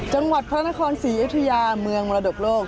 จังหวัดพระนครศรีอยุธยาเมืองมรดกโลก